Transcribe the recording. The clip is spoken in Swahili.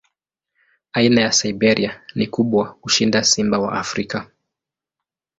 Aina ya Siberia ni kubwa kushinda simba wa Afrika.